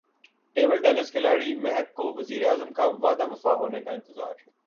table tennis کھلاڑی مہک کو وزیراعظم کا وعدہ وفا ہونے کا انتظار